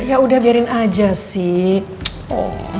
ya udah biarin aja sih